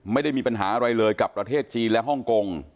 ไม่ได้มีปัญหาอะไรเลยกับประเทศจีนและฮ่องกง